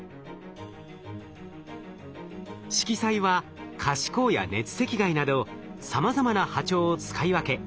しきさいは可視光や熱赤外などさまざまな波長を使い分け